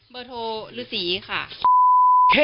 เบอร์โทรรื้อศรีค่ะ